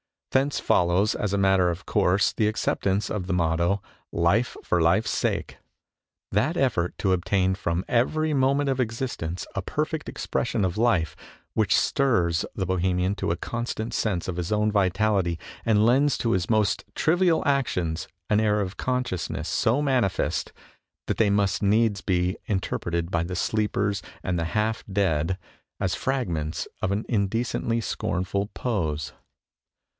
Thence follows as a matter of course the acceptance of the motto " Life for Life's sake," that effort to obtain from every moment of existence a perfect expression of life, which stirs the Bohemian to a constant sense of his own vitality, and lends to his most trivial actions an air of consciousness so manifest that they must needs be inter preted by the sleepers and the half dead as 28 MONOLOGUES fragments of an indecently scornful pose.